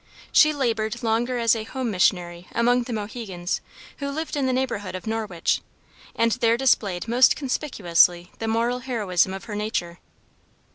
She labored longer as a home missionary among the Mohegans, who lived in the neighborhood of Norwich, and there displayed most conspicuously the moral heroism of her nature.